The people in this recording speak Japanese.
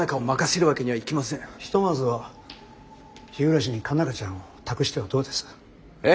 ひとまずは日暮に佳奈花ちゃんを託してはどうです？え？